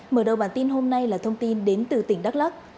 mở đầu bản tin hôm nay là thông tin đến từ tỉnh đắk lắc